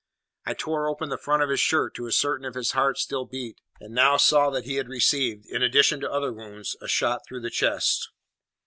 I tore open the front of his shirt to ascertain if his heart still beat, and now saw that he had received, in addition to other wounds, a shot through the chest.